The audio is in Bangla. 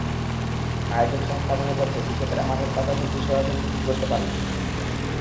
আয়োজক সংস্থা মনে করছে, কৃষকেরা মাঠের তাজা সবজি সরাসরি বিক্রি করতে পারবেন।